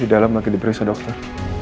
di dalam lagi diperiksa dokter